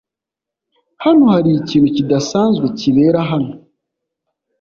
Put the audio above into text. Hano hari ikintu kidasanzwe kibera hano .